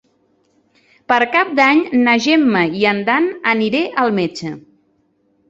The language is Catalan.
Per Cap d'Any na Gemma i en Dan aniré al metge.